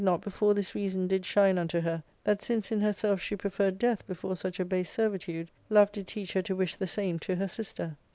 not before this reason did shine unto her, that since in her self she preferred death before such a base servitude, love did teach her to wish the same to her sister.